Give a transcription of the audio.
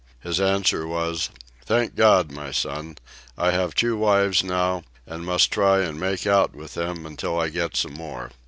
His answer was "Thank God, my son, I have two wives now, and must try and make out with them until I get some more."